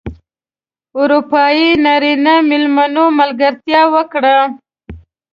اروپايي نرینه مېلمنو ملګرتیا وکړه.